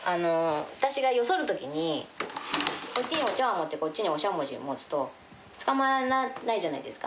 私がよそうときにお茶わんを持って、こっちにしゃもじを持つと、つかまれないじゃないですか。